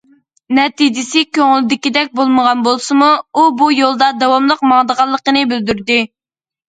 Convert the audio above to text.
نەتىجىسى كۆڭۈلدىكىدەك بولمىغان بولسىمۇ، ئۇ بۇ يولدا داۋاملىق ماڭىدىغانلىقىنى بىلدۈردى.